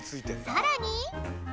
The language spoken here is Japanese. さらに！